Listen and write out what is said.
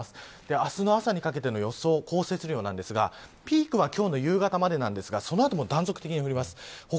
明日の朝にかけての降雪量なんですがピークは今日の夕方までなんですが、その後も断続的に降ります。